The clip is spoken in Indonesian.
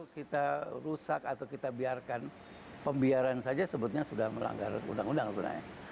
kita rusak atau kita biarkan pembiaran saja sebutnya sudah melanggar undang undang sebenarnya